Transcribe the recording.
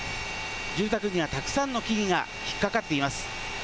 住宅にはたくさんの木々が引っ掛かっています。